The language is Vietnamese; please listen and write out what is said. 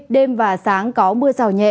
đêm và sáng có mưa rào nhẹ